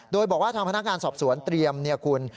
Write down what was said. โดยบอกว่าทางพนักงานสอบสวนเตรียมเนี่ยคุณ